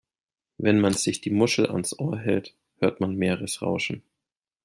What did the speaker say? Wenn man sich die Muschel ans Ohr hält, hört man Meeresrauschen.